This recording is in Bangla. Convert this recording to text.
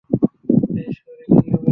এই শহরের কী হবে?